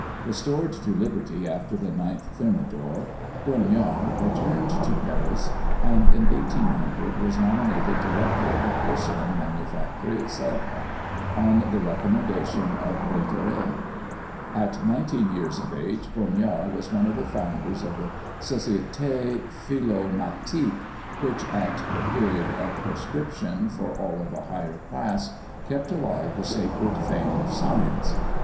Restored to liberty after the 9th Thermidor, Brongniart returned to Paris, and, in 1800, was nominated director of the porcelain manufactory of Sèvres, on the recommendation of Berthollet. At nineteen years of age, Brongniart was one of the founders of the Societé Philomatique, which, at the period of proscription for all of a higher class, kept alive the sacred fame of science.